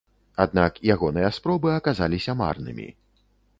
Аднак, ягоныя спробы аказаліся марнымі.